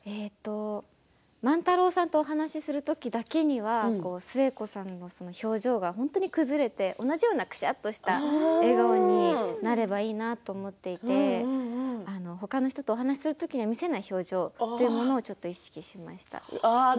万太郎さんとお話しする時だけは寿恵子さんの表情が本当に崩れて同じようなくしゃっとした笑顔になればいいなと思っていて他の人とお話しする時に見せない表情というものをちょっと意識しました。